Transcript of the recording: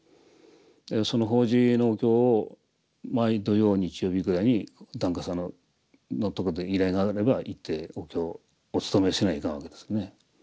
その法事のお経を毎土曜日曜日ぐらいに檀家さんのとこで依頼があれば行ってお経をお勤めしないかんわけですね。